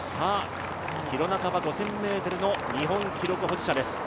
廣中は５０００ｍの日本記録保持者です